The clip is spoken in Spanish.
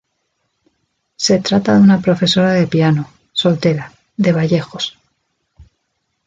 Se trata de una profesora de piano, soltera, de Vallejos.